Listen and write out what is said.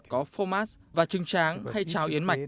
có format và trưng tráng hay chào yến mạch